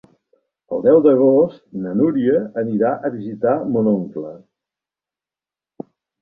El deu d'agost na Núria anirà a visitar mon oncle.